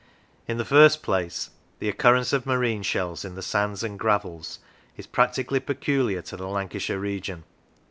In the first place the occurrence of marine shells in the sands and gravels is practically peculiar to the Lancashire region.